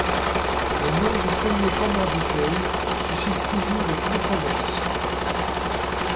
Le nom du premier commanditaire suscite toujours des controverses.